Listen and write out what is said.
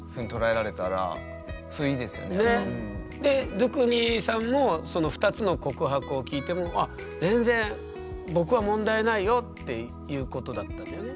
でドゥクニさんも２つの告白を聞いても「全然僕は問題ないよ」っていうことだったんだよね？